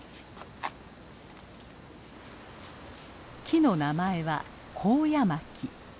木の名前はコウヤマキ。